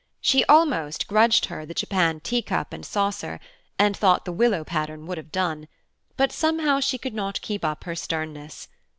She almost grudged her the Japan tea cup and saucer, and thought the willow pattern would have done, but somehow she could not keep up her sternness.